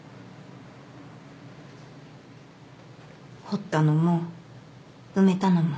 掘ったのも埋めたのも。